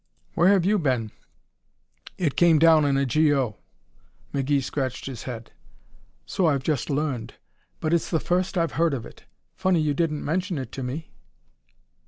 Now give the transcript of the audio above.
"Where have you been? It came down in a G.O." McGee scratched his head. "So I've just learned, but it's the first I've heard of it. Funny you didn't mention it to me."